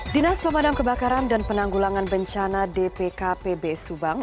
dinas pemadam kebakaran dan penanggulangan bencana dpkpb subang